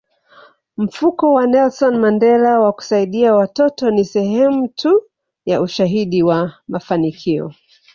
Mfuko wa Nelson Mandela wa kusaidia watoto ni sehemu tu ya ushahidi wa mafanikio